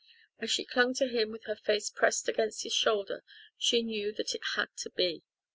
As she clung to him with her face pressed against his shoulder she knew that it had to be.